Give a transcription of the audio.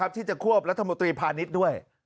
ที่จะควบรัฐมนตรีพาณิชย์ด้วย